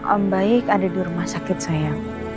om baik ada di rumah sakit saya